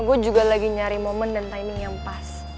gue juga lagi nyari momen dan timing yang pas